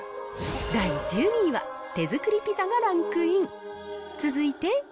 第１２位は、手作りピザがランクイン。